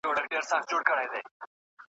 ملنګه ! د لونګو څانګې لارې د چا څاري؟ ,